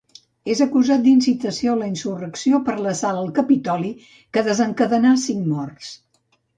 És acusat d'incitació a la insurrecció per l'assalt al Capitoli, que desencadenà cinc morts.